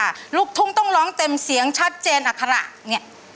ไม่รู้บิ๊กรู้ไหมชายาเจ้าแม่เพลงปรากวด